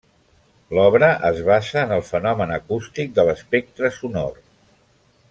L'obra es basa en el fenomen acústic de l'espectre sonor.